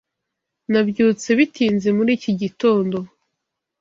Nabyutse bitinze muri iki gitondo.